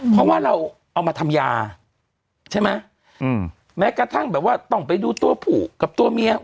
เพราะว่าเราเอามาทำยาใช่ไหมอืมแม้กระทั่งแบบว่าต้องไปดูตัวผู้กับตัวเมีย